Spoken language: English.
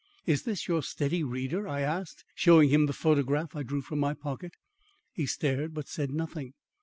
"Is this your steady reader?" I asked, showing him the photograph I drew from my pocket. He stared, but said nothing.